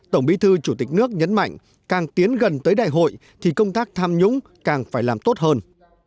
tổng bí thư chủ tịch nước nhấn mạnh càng tiến gần tới đại hội thì công tác tham nhũng càng phải làm tốt hơn